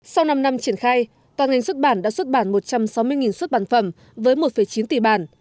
sau năm năm triển khai toàn ngành xuất bản đã xuất bản một trăm sáu mươi xuất bản phẩm với một chín tỷ bản